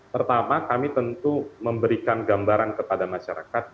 pertama kami tentu memberikan gambaran kepada masyarakat